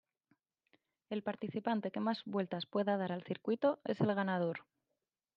El participante que más vueltas pueda dar al circuito es el ganador.